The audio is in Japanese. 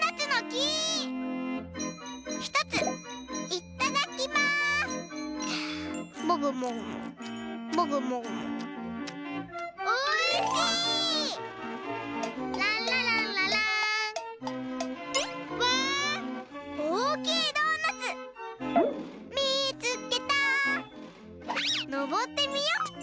のぼってみよう！